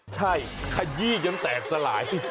ใช่กระยี้แหลมแตกสลาย